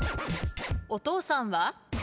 お父さんは？